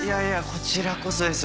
こちらこそです